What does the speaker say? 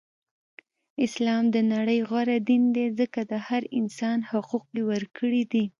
اسلام د نړی غوره دین دی ځکه د هر انسان حقوق یی ورکړی دی.